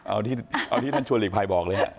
เอาที่ท่านชวนหลีกภัยบอกเลยฮะ